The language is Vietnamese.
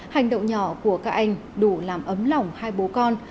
hành động nhỏ của các anh đủ làm ấm lỏng hai bố con